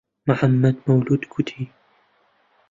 محەممەد مەولوود گوتی: